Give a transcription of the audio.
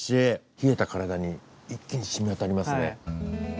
冷えた体に一気にしみわたりますね。